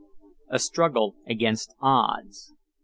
A STRUGGLE AGAINST ODDS.